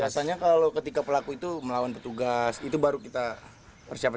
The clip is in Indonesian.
biasanya kalau ketika pelaku itu melawan petugas itu baru kita persiapkan